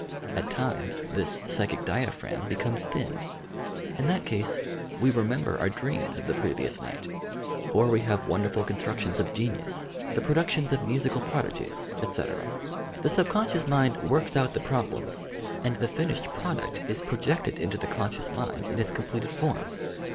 At timre this "psychic dia phragm" becomes thinned. In that case, we remember our dreams of the previous night, or we have wonderful constructions of genius, the productions of musical prodigies, etc. The subconscious mind works out tha problems, and the finished product is projected into the conscious mind in its completed form.